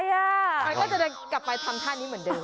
มันก็จะเดินกลับไปทำท่านี้เหมือนเดิม